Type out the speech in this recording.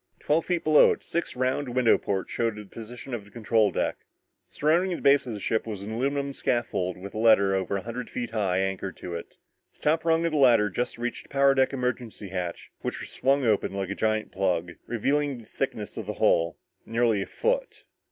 Twelve feet below it, six round window ports showed the position of the control deck. Surrounding the base of the ship was an aluminum scaffold with a ladder over a hundred feet high anchored to it. The top rung of the ladder just reached the power deck emergency hatch which was swung open, like a giant plug, revealing the thickness of the hull, nearly a foot.